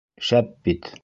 Шәп бит!